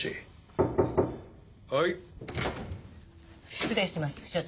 失礼します署長。